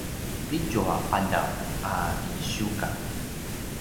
pitju a ’adav a ’isiukang